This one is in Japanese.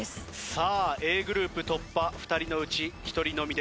さあＡグループ突破２人のうち１人のみです。